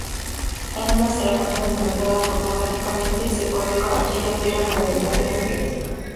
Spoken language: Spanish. En una ceremonia documentada fotográficamente, se coloca allí la piedra fundamental de la Biblioteca.